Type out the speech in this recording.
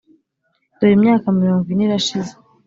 dore imyaka mirongo ine irashize